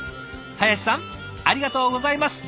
林さんありがとうございます！